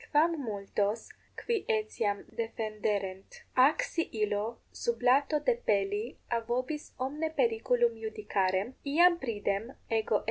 quam multos, qui etiam defenderent? Ac si illo sublato depelli a vobis omne periculum iudicarem, iam pridem ego L.